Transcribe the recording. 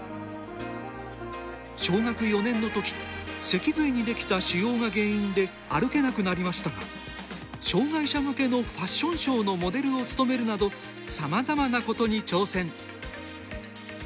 小学４年のとき脊髄にできた腫瘍が原因で歩けなくなりましたが障がい者向けのファッションショーのモデルを務めるなどさまざまなことに挑戦。